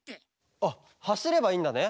あっはしればいいんだね？